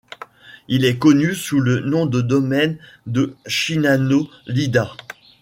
Il est connu sous le nom de domaine de Shinano-Iida.